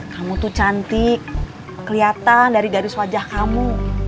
kamu tuh cantik kelihatan dari dari swajah kamu